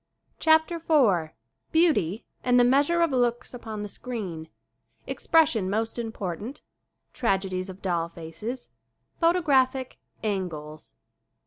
CHAPTER IV Beauty and the measure of looks upon the screen Expression most important Tragedies of doll faces Photographic "angles."